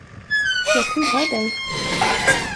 Jag tillhör dig!